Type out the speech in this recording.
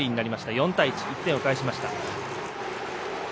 ４対１、１点を返しました。